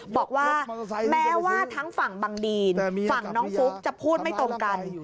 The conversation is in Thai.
บอกว่าแม้ว่าทั้งฝั่งบังดีนฝั่งน้องฟุ๊กจะพูดไม่ตรงกัน